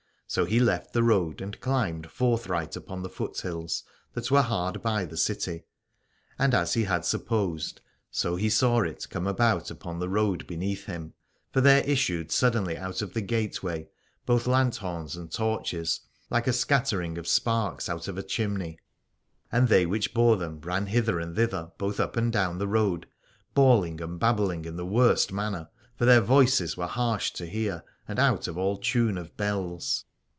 So he left the road and climbed forthright upon the foothills that were hard by the city. And as he had supposed, so he saw it come about upon the M 177 Aladore road beneath him : for there issued suddenly out of the gateway both lanthorns and torches, Hke a scattering of sparks out of a chimney. And they which bore them ran hither and thither both up and down the road, bawling and babbling in the worst manner : for their voices were harsh to hear, and out of all tune of bells.